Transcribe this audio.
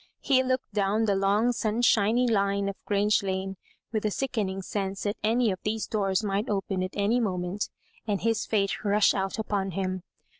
He looked down the long sun shiny line of Grange Lane with a sickening sense that any of these doors might open at any mo ment, and his fate rush out upon him.